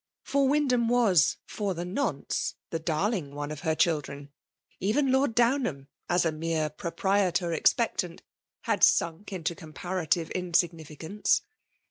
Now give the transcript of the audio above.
For Wyndham wss> fiar the nonce, the darling one of her children ; even Lord Downham, as a mere proprietor expectant, had sunk into comparative insigni ficance.